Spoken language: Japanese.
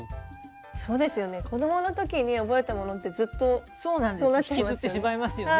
そうですよね子供の時に覚えたものってずっとそうなっちゃいますよね。